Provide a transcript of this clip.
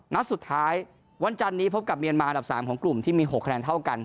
นัดสุดท้ายวันจันนี้พบกับเมียนมาอันดับ๓ของกลุ่มที่มี๖คะแนนเท่ากัน